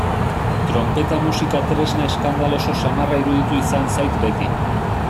Tronpeta musika tresna eskandaloso samarra iruditu izan zait beti.